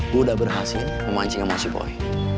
gue udah berhasil memancing sama si boy